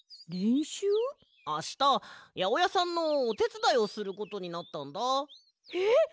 あしたやおやさんのおてつだいをすることになったんだ。えっ！？